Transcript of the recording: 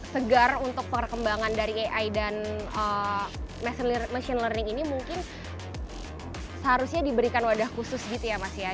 segar untuk perkembangan dari ai dan machine learning ini mungkin seharusnya diberikan wadah khusus gitu ya mas ya